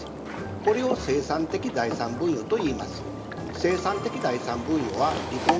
これを清算的財産分与といいます。